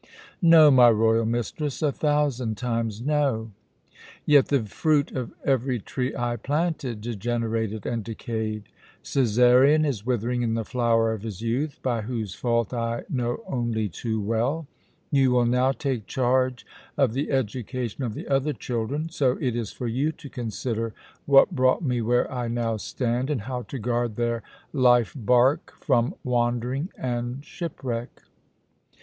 "No, my royal mistress, a thousand times no!" "Yet the fruit of every tree I planted degenerated and decayed. Cæsarion is withering in the flower of his youth by whose fault I know only too well. You will now take charge of the education of the other children. So it is for you to consider what brought me where I now stand, and how to guard their life bark from wandering and shipwreck."